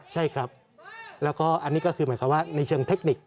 ใช่ครับแล้วก็อันนี้ก็คือหมายความว่าในเชิงเทคนิค